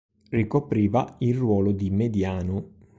Ricopriva il ruolo di mediano.